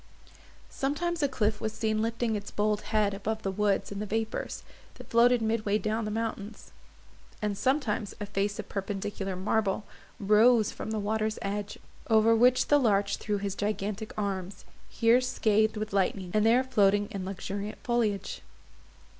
Sometimes a cliff was seen lifting its bold head above the woods and the vapours, that floated mid way down the mountains; and sometimes a face of perpendicular marble rose from the water's edge, over which the larch threw his gigantic arms, here scathed with lightning, and there floating in luxuriant foliage.